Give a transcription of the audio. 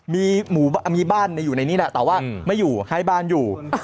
มีบ้านอยู่ในนี้แหละแต่ว่าไม่อยู่ให้บ้านอยู่